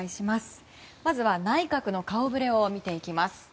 まずは内閣の顔ぶれを見ていきます。